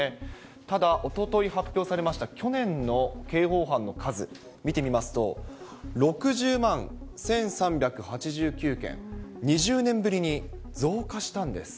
ただ、おととい発表されました、去年の刑法犯の数、見てみますと、６０万１３８９件、２０年ぶりに増加したんです。